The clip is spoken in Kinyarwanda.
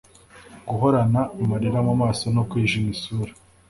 Guhorana amarira mu maso no kwijima isura